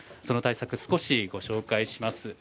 その対策、少しご紹介します。